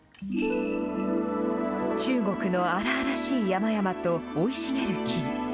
中国の荒々しい山々と生い茂る木々。